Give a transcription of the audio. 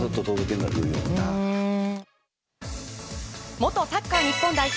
元サッカー日本代表